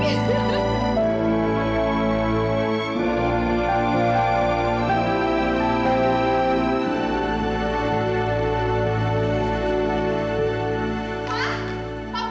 masih juga pas